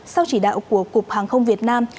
sau chỉ đạo của cục hàng không việt nam